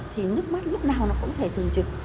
thì nước mắt lúc nào nó cũng thể thường trực